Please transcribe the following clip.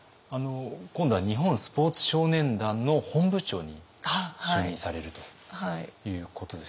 今度は日本スポーツ少年団の本部長に就任されるということですけれども。